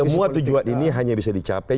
semua tujuan ini hanya bisa dicapai